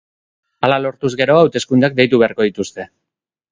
Hala lortuz gero, hauteskundeak deitu beharko dituzte.